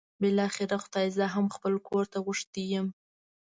بالاخره خدای زه هم خپل کور ته غوښتی یم.